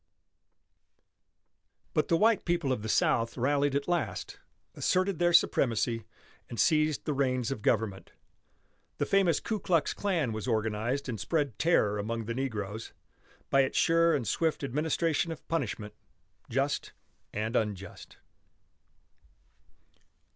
But the white people of the South rallied at last, asserted their supremacy, and seized the reins of government. The famous Ku Klux Klan was organized and spread terror among the negroes, by its sure and swift administration of punishment just and unjust.